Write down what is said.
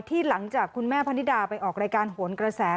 หลังจากคุณแม่พนิดาไปออกรายการโหนกระแส